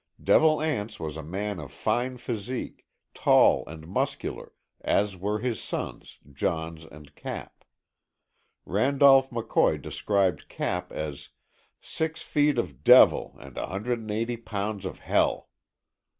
Devil Anse was a man of fine physique, tall and muscular, as were his sons, Johns and Cap. Randolph McCoy described Cap as "six feet of devil and 180 pounds of hell!"